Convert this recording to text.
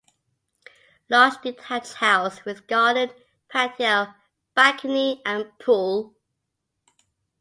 Large detached house with garden, patio, balcony and pool.